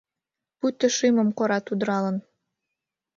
Пуйто шӱмым корат удыралын...